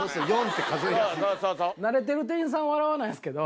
慣れてる店員さん笑わないんすけど。